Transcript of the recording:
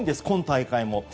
今大会も。